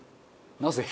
なぜ？